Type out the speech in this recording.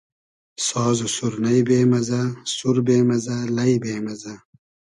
ساز و سورنݷ بې مئزۂ, سور بې مئزۂ ,لݷ بې مئزۂ